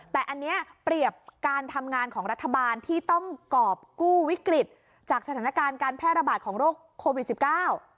แต่อันเนี้ยเปรียบการทำงานของรัฐบาลที่ต้องกรอบกู้วิกฤตจากสถานการณ์การแพร่ระบาดของโรคโควิดสิบเก้า